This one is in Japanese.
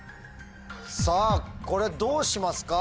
さぁこれどうしますか？